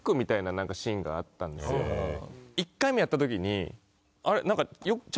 １回目やったときに。